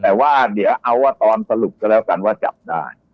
แต่ว่าเดี๋ยวเอาว่าตอนสรุปก็แล้วกันว่าจับได้